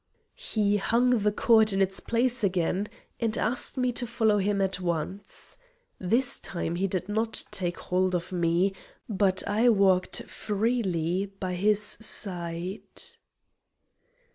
He hung the cord in its place again, and asked me to follow him at once. This time he did not take hold of me, but I walked freely by his side.